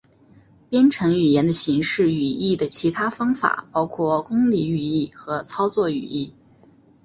编程语言的形式语义的其他方法包括公理语义和操作语义。